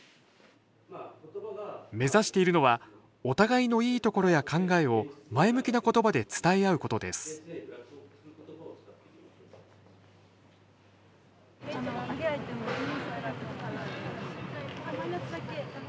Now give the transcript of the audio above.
目指しているのはお互いのいいところや考えを前向きな言葉で伝え合うことですうん。